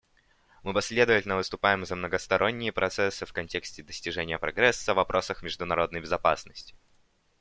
Мы последовательно выступаем за многосторонние процессы в контексте достижения прогресса в вопросах международной безопасности.